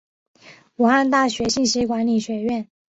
武汉大学信息管理学院